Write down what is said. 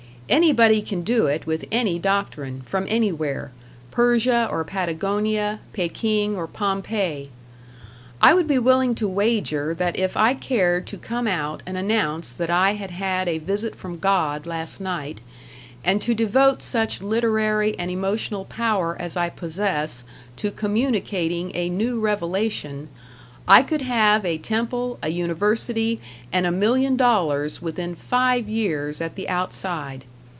Anybody can do it with any doctrine, from anywhere, Persia or Patagonia, Pekin or Pompei. I would be willing to wager that if I cared to come out and announce that I had had a visit from God last night, and to devote such literary and emotional power as I possess to communicating a new revelation, I could have a temple, a university, and a million dollars within five years at the outside.